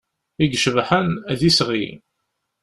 I icebḥen, d isɣi.